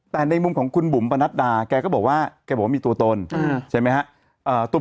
แต่ในมุมของคุณบุ๋มปนัดดาแกก็บอกว่าแกบอกว่ามีตัวตนใช่ไหมครับ